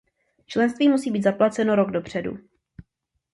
Členství musí být zaplaceno rok dopředu.